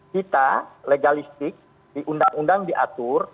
kita legalistik di undang undang diatur